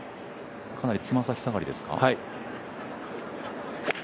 かなり爪先下がりですか？